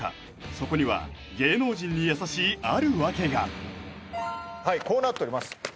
そこには芸能人に優しいある訳がはいこうなっております